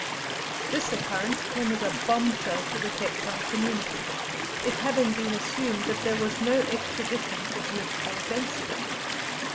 This occurrence came as a bombshell to the Cape Town community, it having been assumed that there was no extradition for political offences.